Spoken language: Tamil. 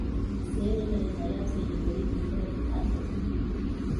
சேனைகளைத் தயார் செய்யும்படி உத்தரவிட்டார்கள்.